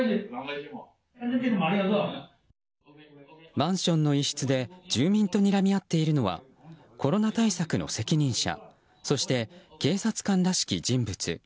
マンションの一室で住民とにらみ合っているのはコロナ対策の責任者そして警察官らしき人物。